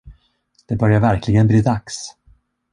Det börjar verkligen bli dags.